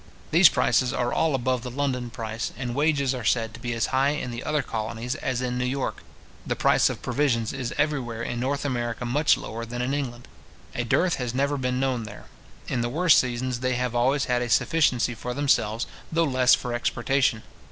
These prices are all above the London price; and wages are said to be as high in the other colonies as in New York. The price of provisions is everywhere in North America much lower than in England. A dearth has never been known there. In the worst seasons they have always had a sufficiency for themselves, though less for exportation.